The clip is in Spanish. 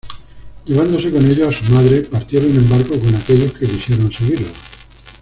Llevándose con ellos a su madre, partieron en barco con aquellos que quisieron seguirlos.